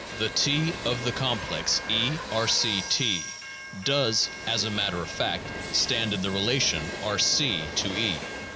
The T of the complex (E)R C (T) does, as a matter of fact, stand in the relation R° to E.